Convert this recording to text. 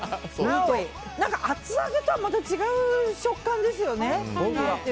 厚揚げとはまた違う食感ですよね。